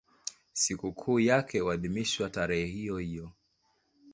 Sikukuu yake huadhimishwa tarehe hiyohiyo.